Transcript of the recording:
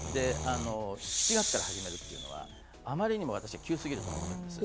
７月から始めるっていうのは余りにも急すぎると思ってるんです。